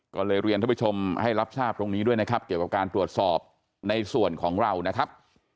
ก็เลยเรียนท่านผู้ชมให้รับทราบตรงนี้ด้วยนะครับเกี่ยวกับการตรวจสอบในส่วนของเรานะครับ